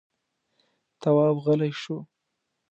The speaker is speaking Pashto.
تواب غلی شو.